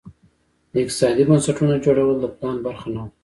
د اقتصادي بنسټونو جوړول د پلان برخه نه وه.